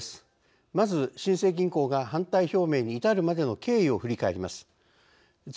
まず新生銀行が反対表明に至るまでの経緯を振り返ります。